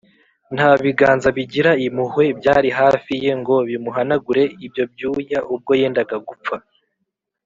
nta biganza bigira impuhwe byari hafi ye ngo bimuhanagure ibyo byuya ubwo yendaga gupfa,